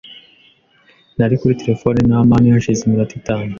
Nari kuri terefone na amani hashize iminota itanu.